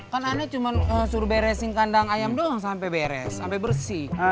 kan ana cuma suruh beresin kandang ayam doang sampe beres sampe bersih